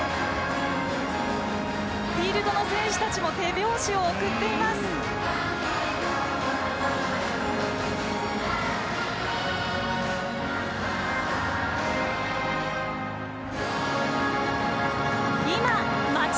フィールドの選手たちも手拍子を送っています。